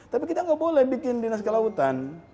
tapi kita nggak boleh bikin dinas kelautan